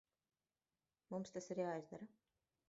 Mums tas ir jāizdara.